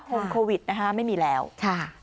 โควิดนะคะไม่มีแล้วค่ะ